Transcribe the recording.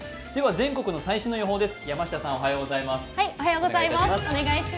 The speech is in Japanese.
全国の最新の予報です。